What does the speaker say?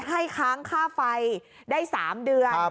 ค้างค่าไฟได้๓เดือน